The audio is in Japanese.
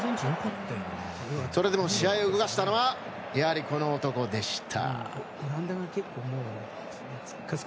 それでも試合を動かしたのはやはり、この男でした。